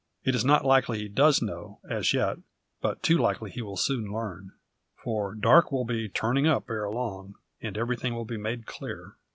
It is not likely he does know, as yet. But too likely he will soon learn. For Darke will be turning up ere long, and everything will be made clear.